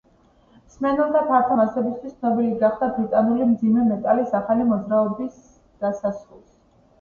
მსმენელთა ფართო მასებისთვის ცნობილი გახდა ბრიტანული მძიმე მეტალის ახალი მოძრაობის დასასრულს.